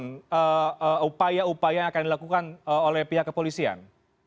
apa upaya upaya yang akan dilakukan oleh pihak kepolisian